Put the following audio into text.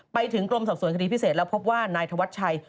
ไปถึงกรมสอบสวนคดีพิเศษแล้วพบว่านายธวัชชัย